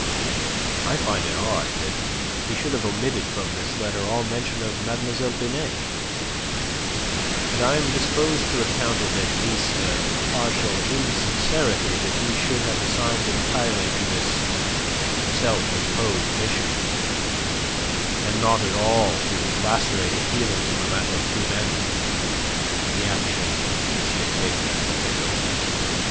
I find it odd that he should have omitted from this letter all mention of Mlle. Binet, and I am disposed to account it at least a partial insincerity that he should have assigned entirely to his self imposed mission, and not at all to his lacerated feelings in the matter of Climene, the action which he had taken at the Feydau.